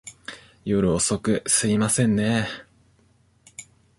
夜遅く、すいませんねぇ。